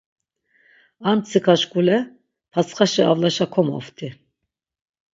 Ar mtsika şuǩule patsxaşi avlaşa komoft̆i.